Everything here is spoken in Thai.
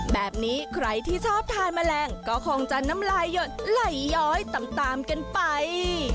แบบนี้ใครที่ชอบทานแมลงก็คงจะน้ำลายหยดไหลย้อยตามกันไป